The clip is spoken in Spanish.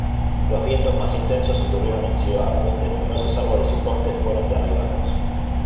Los vientos más intensos ocurrieron en Cibao, donde numerosos árboles y postes fueron derribados.